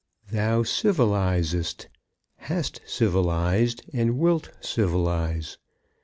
Thou civilizest, hast civilized, and wilt civilize.